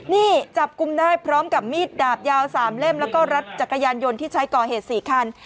นี่จับกลุ่มได้พร้อมกับมีดดาบยาว๓เล่มแล้วก็รถจักรยานยนต์ที่ใช้ก่อเหตุ๔คัน